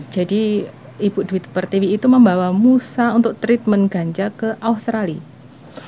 jadi ibu dwi pertiwi itu membawa musa untuk treatment ganja ke australia